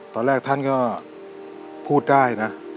ตอนแรกท่านก็พูดได้นะ